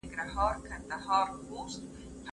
نن رستم د افسانو په سترګو وینم